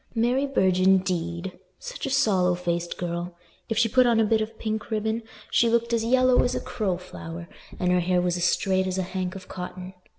"Mary Burge, indeed! Such a sallow faced girl: if she put on a bit of pink ribbon, she looked as yellow as a crow flower and her hair was as straight as a hank of cotton."